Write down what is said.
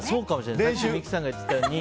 さっき三木さんが言ってたように。